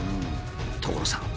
所さん！